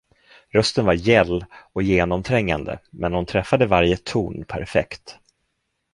Rösten var gäll och genomträngande, men hon träffade varje ton perfekt.